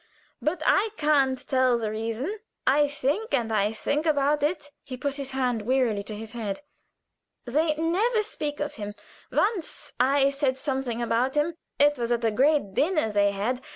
But I can't tell the reason. I think and think about it." He put his hand wearily to his head. "They never speak of him. Once I said something about him. It was at a great dinner they had.